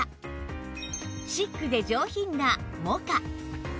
シックで上品なモカ